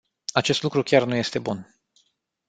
Acest lucru chiar nu este bun.